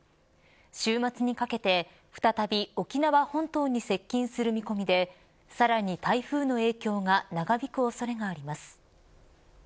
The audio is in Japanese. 週末にかけて再び沖縄本島に接近する見込みでさらに台風の影響が長引く恐れがあります。